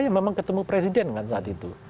memang ketemu presiden kan saat itu